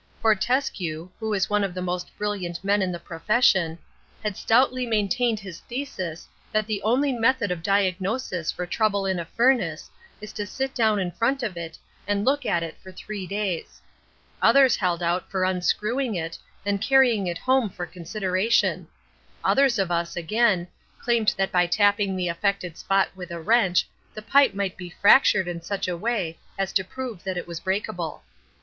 Fortescue, who is one of the most brilliant men in the profession, had stoutly maintained his thesis that the only method of diagnosis for trouble in a furnace is to sit down in front of it and look at it for three days; others held out for unscrewing it and carrying it home for consideration; others of us, again, claimed that by tapping the affected spot with a wrench the pipe might be fractured in such a way as to prove that it was breakable.